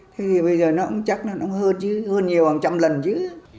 thế thì bây giờ nó cũng chắc nó nóng hơn chứ hơn nhiều hàng trăm lần chứ